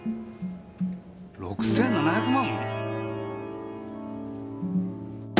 ６７００万！？